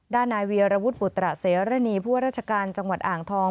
ด้านนายเวียระวุฒุบุตระเสรินีผู้ราชการจังหวัดอ่างทอง